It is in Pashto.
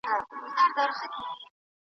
ویل زه مي خپل پاچا یم را لېږلی .